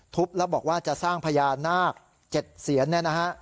แล้วบอกว่าจะสร้างพญานาค๗เสียนเนี่ยนะฮะ